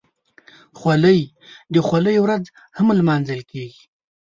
خولۍ د خولۍ ورځ هم لمانځل کېږي.